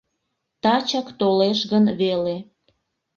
Тачак толеш гын веле.